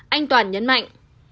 anh toàn nhấn mạnh